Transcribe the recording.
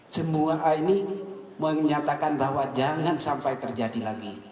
semua a ini menyatakan bahwa jangan sampai terjadi lagi